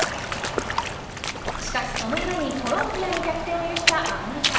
しかしその裏に、コロンビアに逆転を許したアメリカ。